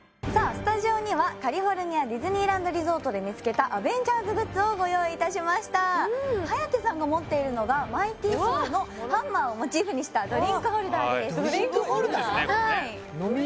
スタジオにはカリフォルニアディズニーランド・リゾートで見つけたアベンジャーズグッズをご用意いたしました颯さんが持っているのがマイティ・ソーのハンマーをモチーフにしたドリンクホルダーですはいすごいですね